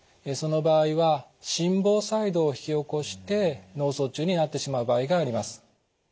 その場合は心房細動を引き起こして脳卒中になってしまう場合があります。